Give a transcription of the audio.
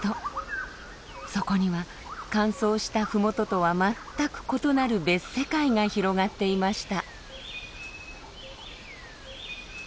そこには乾燥した麓とは全く異なる別世界が広がっていました。